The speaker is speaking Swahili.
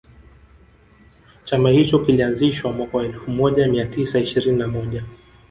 Chama hicho kilianzishwa mwaka wa elfumoja mia tisa ishirini na moja